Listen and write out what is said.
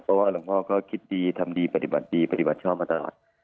เพราะว่าหลวงพ่อก็คิดดีทำดีปฏิบัติดีปฏิบัติชอบมาตลอด